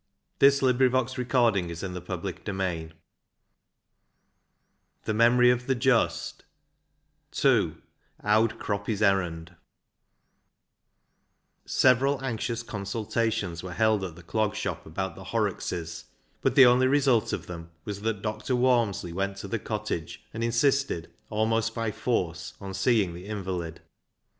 The Memory of the Just II Owd Croppy's Errand 217 The Memory of the Just II Owd Croppy's Errand Several anxious consultations were held at the Clog Shop about the Horrockses, but the only result of them was that Dr. Walmsley went to the cottage, and insisted, almost by force, on seeing the invalid.